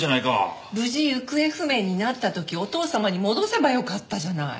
無事行方不明になった時お義父様に戻せばよかったじゃない。